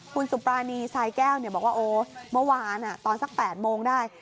คุณสุปรานีสายแก้วบอกว่าโอ้เมื่อวานตอนสัก๘โมงได้